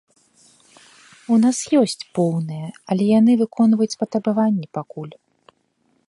У нас ёсць поўныя, але яны выконваюць патрабаванні пакуль.